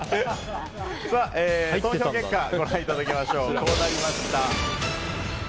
投票結果ご覧いただきましょう。